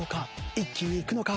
一気にいくのか？